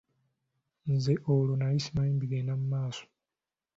Nze olwo nali simanyi bigenda mu maaso.